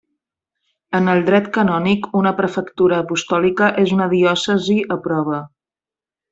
En el dret canònic una prefectura apostòlica és una diòcesi a prova.